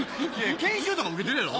研修とか受けてるやろ。